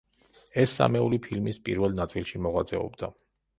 ეს სამეული ფილმის პირველ ნაწილში მოღვაწეობდა.